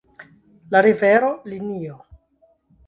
La rivero, linio